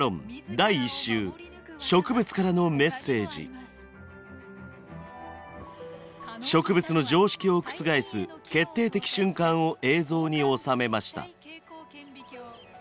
最後は植物の常識を覆す決定的瞬間を映像に収めました。